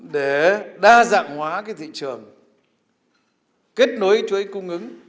để đa dạng hóa thị trường kết nối chuỗi cung ứng